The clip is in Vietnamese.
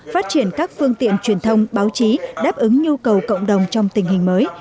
phát triển các phương tiện truyền thông báo chí đáp ứng nhu cầu cộng đồng trong tình hình mới